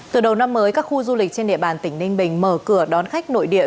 từ đầu năm mới các khu du lịch trên địa bàn tỉnh ninh bình mở cửa đón khách nội địa